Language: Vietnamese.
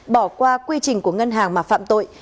bỏ qua quy trình của ngân hàng mà phạm tội